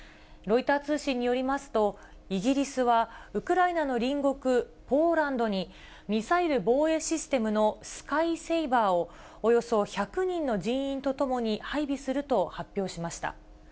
ロイター通信によりますと、イギリスは、ウクライナの隣国ポーランドに、ミサイル防衛システムのスカイセイバーを、およそ１００人の人員とともに配備すると発表しました。